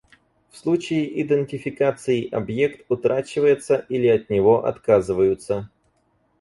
В случае идентификации объект утрачивается или от него отказываются.